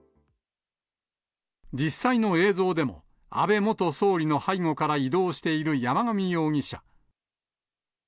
実際の映像でも、安倍元総理の背後から移動している山上容疑者。